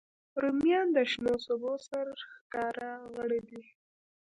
رومیان د شنو سبو سرښکاره غړی دی